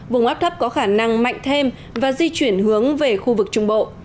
vùng áp thấp có khả năng mạnh thêm và di chuyển hướng về khu vực trung bộ